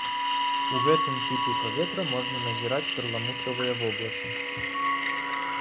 У гэтым тыпе паветра можна назіраць перламутравыя воблакі.